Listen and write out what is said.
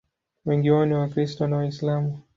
Wengi wao ni Wakristo na Waislamu.